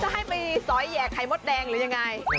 จะให้ไปซอยแหอยกไฮมดแดงหรือยันน่ะ